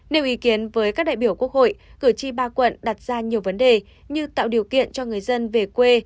nếu ý kiến với các đại biểu quốc hội cử tri ba quận đặt ra nhiều vấn đề như tạo điều kiện cho người dân về quê